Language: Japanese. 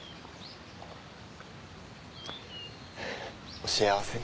お幸せに。